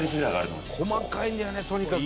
「細かいんだよねとにかく」